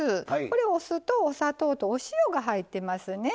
これお酢とお砂糖とお塩が入ってますね。